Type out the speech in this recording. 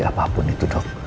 apapun itu dok